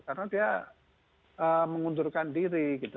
karena dia mengundurkan diri gitu